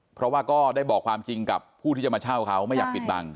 เพราะว่าก็ได้บอกความจริงกับผู้ที่จะมาเช่าเขาไม่อยากปิดบัง